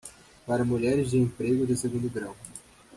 Para mulheres de emprego de segundo grau